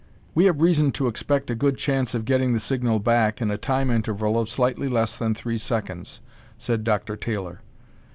"We have reason to expect a good chance of getting the signal back in a time interval of slightly less than three seconds," said Dr. Taylor.